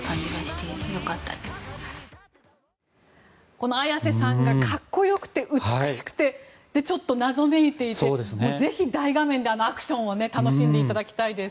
この綾瀬さんが格好良くて美しくてちょっと謎めいていてぜひ大画面でアクションを楽しんでいただきたいです。